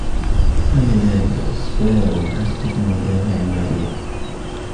وَلِذَلِكَ أَسْبَابٌ فَاسِدَةٌ وَدَوَاعٍ وَاهِيَةٌ